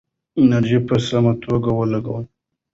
انرژي په سمه توګه ولګوئ.